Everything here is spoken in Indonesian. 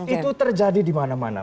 itu terjadi dimana mana